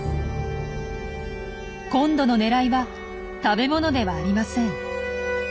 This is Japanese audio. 今度の狙いは食べ物ではありません。